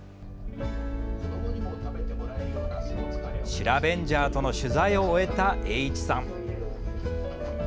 シラベンジャーとの取材を終えた栄一さん。